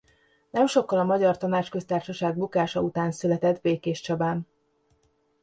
Nem sokkal a magyar Tanácsköztársaság bukása után született Békéscsabán.